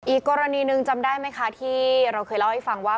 อีกกรณีหนึ่งจำได้ไหมคะที่เราเคยเล่าให้ฟังว่า